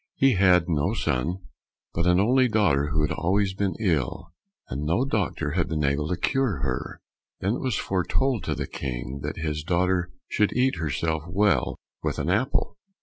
He had no son, but an only daughter who had always been ill, and no doctor had been able to cure her. Then it was foretold to the King that his daughter should eat herself well with an apple.